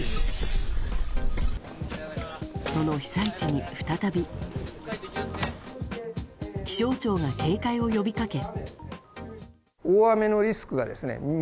その被災地に、再び気象庁が警戒を呼びかけ。